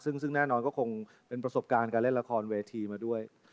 ซึ่งแน่นอนก็คงเป็นประสบการณ์การเล่นละครเวทีมาด้วย